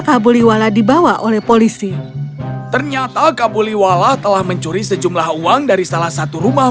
kabuliwala dibawa oleh polisi ternyata kabuliwala telah mencuri sejumlah uang dari salah satu rumah